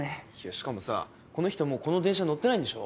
しかもさこの人もうこの電車乗ってないんでしょ？